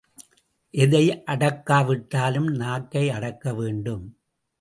எதை அடக்காவிட்டாலும் நாக்கை அடக்க வேண்டும்.